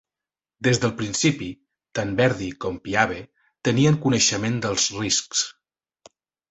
Des del principi, tant Verdi com Piave tenien coneixement dels riscs.